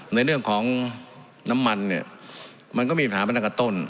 ในเรื่องของน้ำมันเนี่ยมันก็มีปัญหามาตั้งแต่ต้น